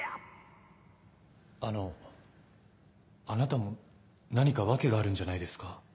あのあなたも何か訳があるんじゃないですか？